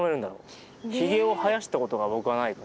ひげを生やしたことが僕はないから。